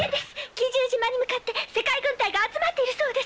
奇獣島に向かって世界軍隊が集まっているそうです！